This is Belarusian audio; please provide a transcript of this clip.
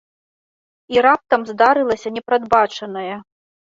І раптам здарылася непрадбачанае.